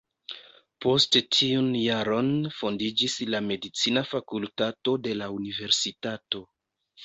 Poste tiun jaron fondiĝis la medicina fakultato de la universitato.